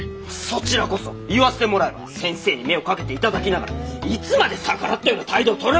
そちらこそ言わせてもらえば先生に目をかけて頂きながらいつまで逆らったような態度をとる！